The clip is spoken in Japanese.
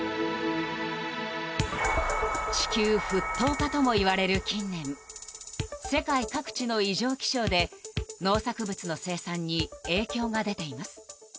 地球沸騰化ともいわれる近年世界各地の異常気象で農作物の生産に影響が出ています。